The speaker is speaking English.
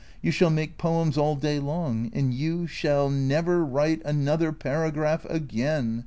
You shall make poems all day long, and you — shall — never — write — another — paragraph again.